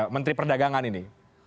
menteri perdagangan ini